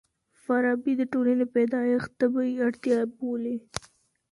فارابي د ټولني پيدايښت طبيعي اړتيا بولي.